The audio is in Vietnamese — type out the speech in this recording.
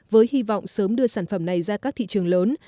với hy vọng sớm đưa sản phẩm này ra các thị trường lớn